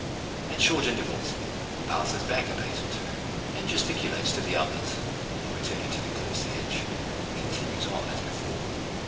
At short intervals he passes back a pace or two, and gesticulates to the others. Then returning to the cliff's edge, he continues on as before.